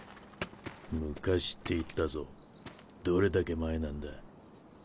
昔って言ったぞどれだけ前なんだ？